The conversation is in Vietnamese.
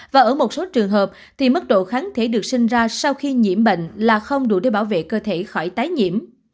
và ở một số trường hợp thì mức độ kháng thể được sinh ra sau khi nhiễm bệnh là không đủ để bảo vệ cơ thể khỏi tái nhiễm